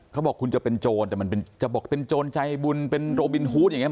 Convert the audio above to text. เขาบอกคุณจะเป็นโจรแต่มันจะบอกเป็นโจรใจบุญเป็นโรบินฮูตอย่างนี้